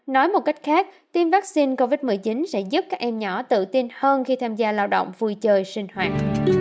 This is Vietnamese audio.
nói một cách khác tiêm vaccine covid một mươi chín sẽ giúp các em nhỏ tự tin hơn khi tham gia lao động vui chơi sinh hoạt